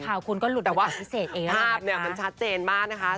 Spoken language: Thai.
แต่ว่าภาพเนี่ยมันชัดเจนมากนะคะ